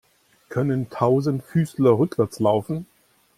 Können Tausendfüßler rückwärts laufen?